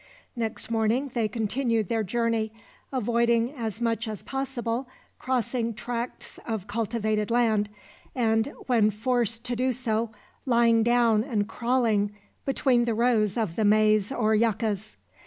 Next morning they continued their journey, avoiding as much as possible crossing tracts of cultivated land; and when forced to do so, lying down and crawling between the rows of the maize or yuccas.